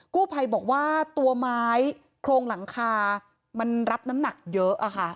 กู้ภัยบอกว่าตัวไม้โครงหลังคามันรับน้ำหนักเยอะค่ะ